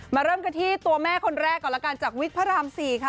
เริ่มกันที่ตัวแม่คนแรกก่อนละกันจากวิกพระราม๔ค่ะ